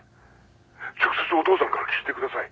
直接お父さんから聞いてください。